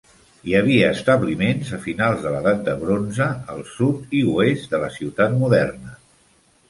Hi havia establiments a finals de l'Edat de bronze al sud i oest de la ciutat moderna.